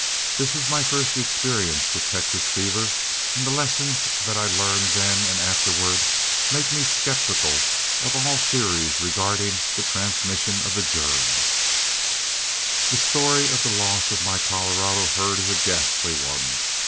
This was my first experience with Texas fever, and the lessons that I learned then and afterward make me skeptical of all theories regarding the transmission of the germ. The story of the loss of my Colorado herd is a ghastly one.